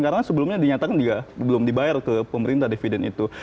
karena sebelumnya dinyatakan juga belum dibayar ke pemerintah dividen itu